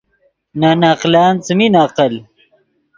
نے نقلن څیمین عقل